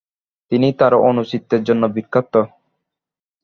তিনি তার অণুচিত্রের জন্য বিখ্যাত।